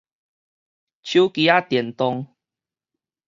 手機仔電動